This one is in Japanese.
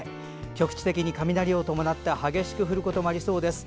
局地的に雷を伴って激しく降ることもありそうです。